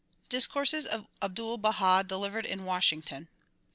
Discourses of Abdul Baha delivered in Washington